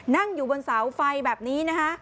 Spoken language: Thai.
นั่งอยู่บนเสาไฟแบบนี้นะคะ